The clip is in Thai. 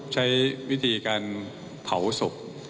ใช้วิธีการเผาศพ